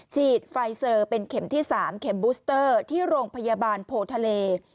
ฉีดไฟเซอร์เป็นเข็มที่๓เข็มบูสเตอร์ที่โรงพยาบาลโพทะเล